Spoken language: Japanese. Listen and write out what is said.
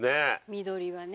緑はね。